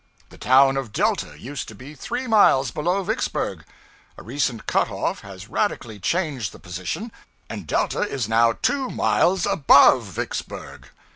The town of Delta used to be three miles below Vicksburg: a recent cutoff has radically changed the position, and Delta is now two miles above Vicksburg.